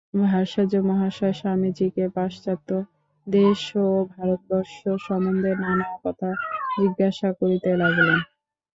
ভট্টাচার্য মহাশয় স্বামীজীকে পাশ্চাত্য দেশ ও ভারতবর্ষ সম্বন্ধে নানা কথা জিজ্ঞাসা করিতে লাগিলেন।